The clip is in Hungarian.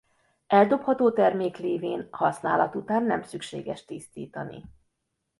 Eldobható termék lévén használat után nem szükséges tisztítani.